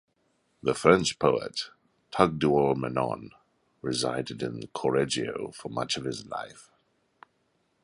The French poet Tugdual Menon resided in Correggio for much of his life.